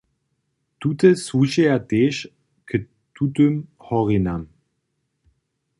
Tute słušeja tež k tutym horinam.